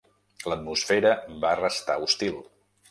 L'atmosfera va restar hostil.